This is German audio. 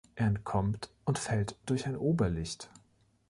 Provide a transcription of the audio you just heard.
Er entkommt und fällt durch ein Oberlicht.